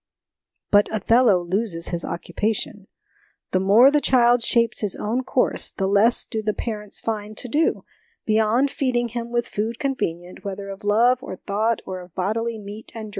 But Othello loses his occupation. The more the child shapes his own course, the less do the parents find to do, beyond feeding him with food convenient, whether of love, or thought, or of bodily meat and drink.